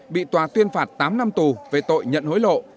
bị tòa tuyên phạt tám năm tù về tội nhận hối lộ